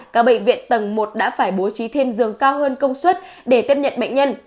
các bệnh viện tầng một đã phải bố trí thêm giường cao hơn công suất để tiếp nhận bệnh nhân